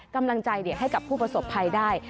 กำลังใจให้กับผู้ประสบภัยได้